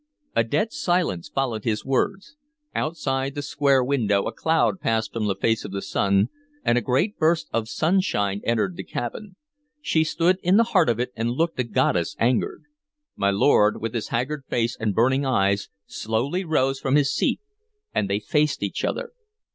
A dead silence followed his words. Outside the square window a cloud passed from the face of the sun, and a great burst of sunshine entered the cabin. She stood in the heart of it, and looked a goddess angered. My lord, with his haggard face and burning eyes, slowly rose from his seat, and they faced each other.